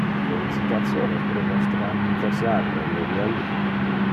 Felicitationes pro vostre anniversario, Muriel!